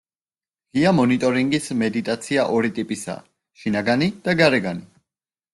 ღია მონიტორინგის მედიტაცია ორი ტიპისაა: შინაგანი და გარეგანი.